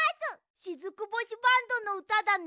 しずく星バンドのうただね。